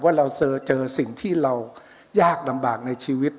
ว่าเราเจอสิ่งที่เรายากลำบากในชีวิต